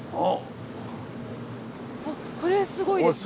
これすごいです。